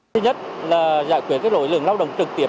thứ nhất là giải quyết các lỗi lượng lao động trực tiếp